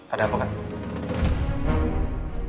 ada apa kak